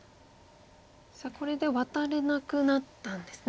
これでワタれなくなったんですね